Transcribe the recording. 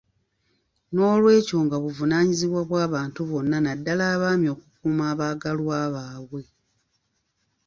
Noolwekyo nga buvunaanibwa bwa bantu bonna naddala abaami okukuuma abaagalwa baabwe.